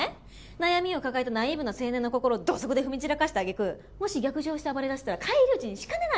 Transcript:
悩みを抱えたナイーブな青年の心を土足で踏み散らかした揚げ句もし逆上して暴れだしたら返り討ちにしかねない女なわけ。